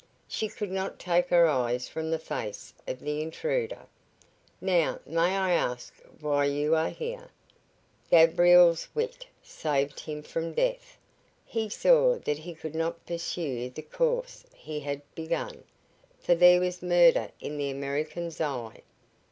She could not take her eyes from the face of the intruder. "Now, may I ask why you are here?" Gabriel's wit saved him from death. He saw that he could not pursue the course he had begun, for there was murder in the American's eye.